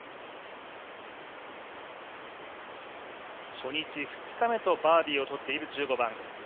初日、２日目とバーディーを取っている１５番。